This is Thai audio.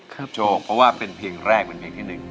ครับโชคเพราะว่าเป็นเพลงแรกเป็นเพลงที่หนึ่ง